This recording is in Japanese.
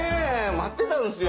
待ってたんすよ。